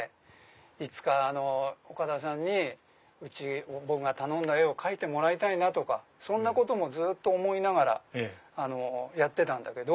いつか岡田さんに僕が頼んだ絵描いてもらいたいなとかそんなこともずっと思いながらやってたんだけど。